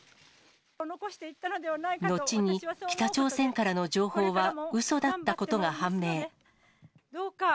後に、北朝鮮からの情報はうそだったことが判明。